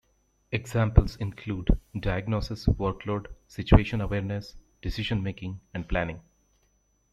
Examples include diagnosis, workload, situation awareness, decision making, and planning.